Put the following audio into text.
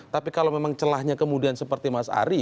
tapi kalau memang celahnya kemudian seperti mas ari